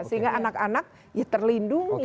sehingga anak anak ya terlindungi